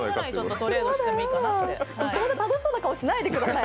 そんな楽しそうな顔、しないでください。